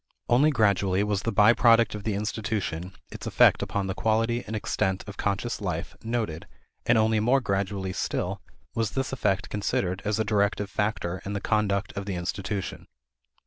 Only gradually was the by product of the institution, its effect upon the quality and extent of conscious life, noted, and only more gradually still was this effect considered as a directive factor in the conduct of the institution.